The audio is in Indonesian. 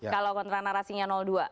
kalau kontra narasinya dua